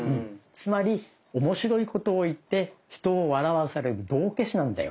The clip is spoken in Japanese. つまり面白いことを言って人を笑わせる道化師なんだよ。